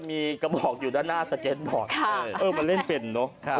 มีกระบอกอยู่ด้านหน้าสเก็ตบอร์ดมันเล่นเป็นเนอะ